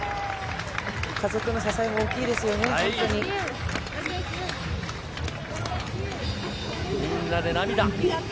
家族の支えも大きいですよね、みんなで涙。